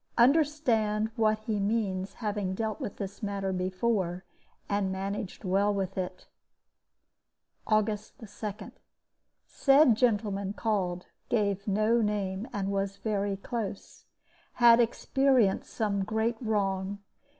Understand what he means, having dealt with this matter before, and managed well with it. "August 2. Said gentleman called, gave no name, and was very close. Had experienced some great wrong.